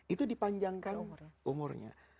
itu dipanjangkan umurnya